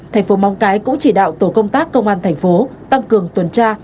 thành phố móng cái cũng chỉ đạo tổ công tác công an thành phố tăng cường tuần tra